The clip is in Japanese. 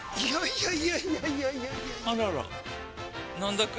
いやいやいやいやあらら飲んどく？